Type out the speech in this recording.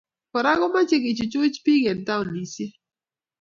Kora komachei kechuchuch bik eng taonisiek